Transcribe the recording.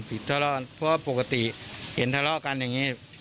ทะเลาะกันเพราะว่าปกติเห็นทะเลาะกันอย่างนี้